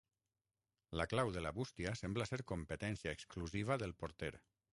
La clau de la bústia sembla ser competència exclusiva del porter.